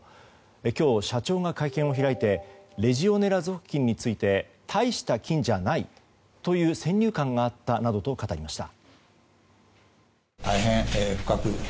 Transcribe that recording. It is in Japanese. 今日、社長が会見を開いてレジオネラ属菌について大した菌じゃないという先入観があったなどと語りました。